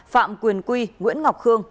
phạm quyền quy nguyễn ngọc khương